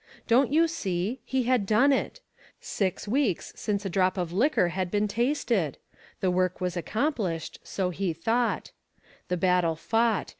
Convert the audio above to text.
Don't you see? He had done it. Six weeks since a drop of liquor had been tasted I The work was accomplished, so he thought The battle fought.